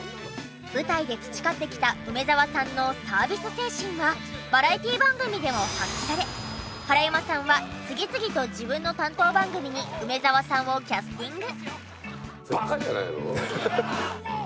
舞台で培ってきた梅沢さんのサービス精神はバラエティ番組でも発揮され原山さんは次々と自分の担当番組に梅沢さんをキャスティング。